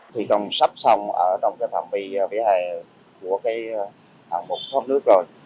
thị công sắp xong ở trong phạm vi vỉa hè của hạng mục thoát nước rồi